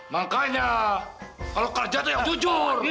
makanya kalau kerja itu yang jujur